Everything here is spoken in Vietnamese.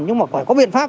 nhưng mà phải có biện pháp